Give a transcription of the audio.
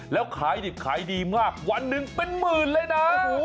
แล้วขายดิบขายดีมากวันหนึ่งเป็นหมื่นเลยนะ